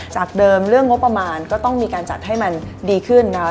จากเดิมเรื่องงบประมาณก็ต้องมีการจัดให้มันดีขึ้นนะคะ